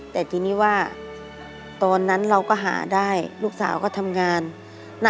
แต่ทีนี้ว่าตอนนั้นเราก็หาได้ลูกสาวก็ทำงาน